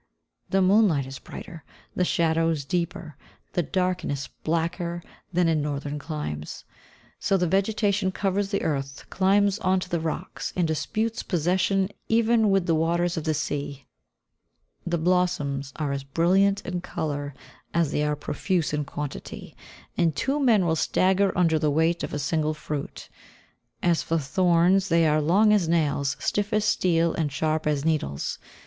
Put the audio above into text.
The moonlight is brighter, the shadows deeper, the darkness blacker than in northern climes. So the vegetation covers the earth, climbs on to the rocks, and disputes possession even with the waters of the sea. The blossoms are as brilliant in colour as they are profuse in quantity, and two men will stagger under the weight of a single fruit. As for thorns, they are long as nails, stiff as steel, and sharp as needles.